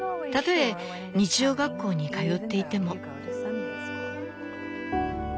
たとえ日曜学校に通っていても」。